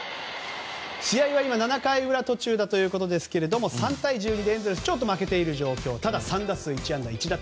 試合は今７回裏途中だということですが３対１２とちょっと負けている状況ですが３打数１安打１打点。